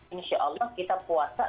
insya allah kita puasa